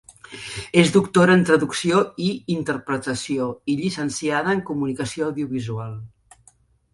És doctora en traducció i interpretació i llicenciada en comunicació audiovisual.